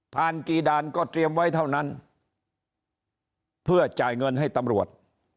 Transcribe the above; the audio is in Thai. กี่ด่านก็เตรียมไว้เท่านั้นเพื่อจ่ายเงินให้ตำรวจ